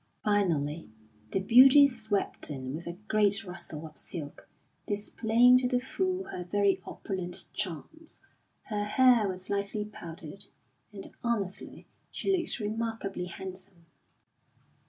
Finally, the beauty swept in with a great rustle of silk, displaying to the full her very opulent charms. Her hair was lightly powdered, and honestly she looked remarkably handsome.